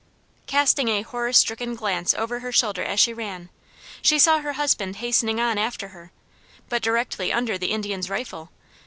Casting a horror stricken glance over her shoulder as she ran, she saw her husband hastening on after her, but directly under the Indian's rifle.